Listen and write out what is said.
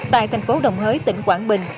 tại thành phố đồng hới tỉnh quảng bình